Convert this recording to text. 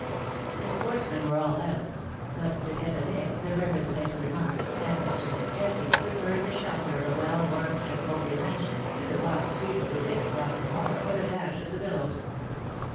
The sportsmen were all out; but de Cazalet, the Rev. St. Bernard, and. Mr. Fitz Jesse preferred the shelter of a well warmed Jacobean mansion to the wild sweep of the wind across the moor, or the dash of the billows.